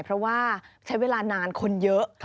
เพราะว่าใช้เวลานานคนเยอะ